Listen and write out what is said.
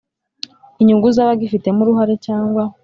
inyungu z abagifitemo uruhare cyangwa